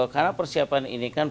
karena persiapan ini kan